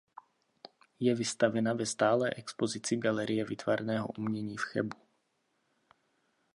Je vystavena ve stálé expozici Galerie výtvarného umění v Chebu.